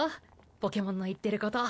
ポケモンの言ってること。